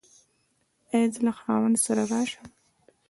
ایا زه له خاوند سره راشم؟